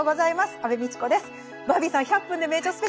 安部みちこです。